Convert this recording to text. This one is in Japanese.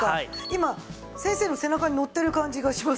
今先生の背中に乗ってる感じがしますね。